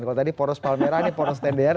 kalau tadi poros palmerah ini poros tender